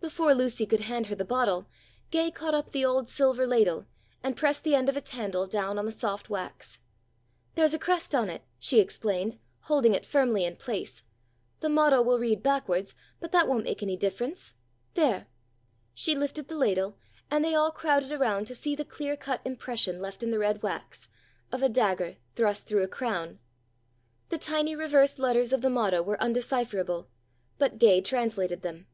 Before Lucy could hand her the bottle Gay caught up the old silver ladle and pressed the end of its handle down on the soft wax. "There's a crest on it," she explained, holding it firmly in place. "The motto will read backwards, but that won't make any difference. There!" She lifted the ladle, and they all crowded around to see the clear cut impression left in the red wax, of a dagger thrust through a crown. The tiny reversed letters of the motto were undecipherable, but Gay translated them.